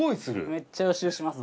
めっちゃ予習します。